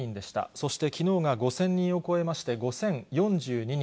そして、きのうが５０００人を超えまして、５０４２人。